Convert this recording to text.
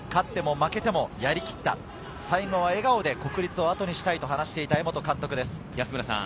勝っても負けてもやりきった、最後は笑顔で国立を後にしたいと話していた江本監督です。